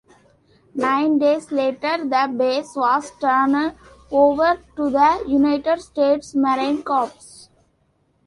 Nine days later the base was turned over to the United States Marine Corps.